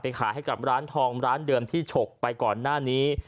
ขายให้กับร้านทองร้านเดิมที่ฉกไปก่อนหน้านี้